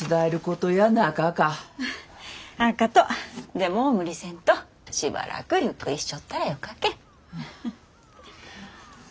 でも無理せんとしばらくゆっくりしちょったらよかけん。